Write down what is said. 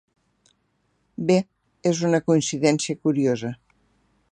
Bé, és una coincidència curiosa.